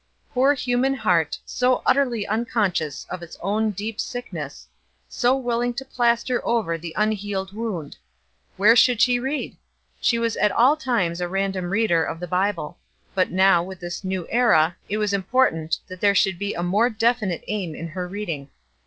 Poor human heart, so utterly unconscious of its own deep sickness so willing to plaster over the unhealed wound! Where should she read? She was at all times a random reader of the Bible; but now with this new era it was important that there should be a more definite aim in her reading.